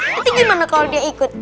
tapi gimana kalau dia ikut